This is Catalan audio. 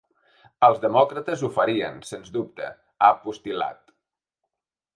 “Els demòcrates ho farien, sens dubte”, ha postil·lat.